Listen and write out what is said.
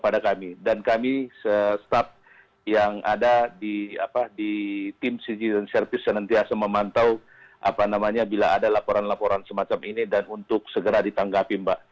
dan kami se staff yang ada di tim cjri dan servis senantiasa memantau bila ada laporan laporan semacam ini dan untuk segera ditanggapi mbak